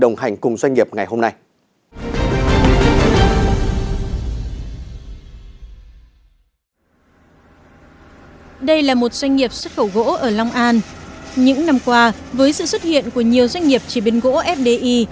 những năm qua với sự xuất hiện của nhiều doanh nghiệp chế biến gỗ fdi